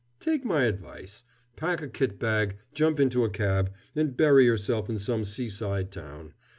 Take my advice pack a kit bag, jump into a cab, and bury yourself in some seaside town.